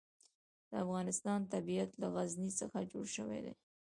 د افغانستان طبیعت له غزني څخه جوړ شوی دی.